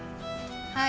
はい。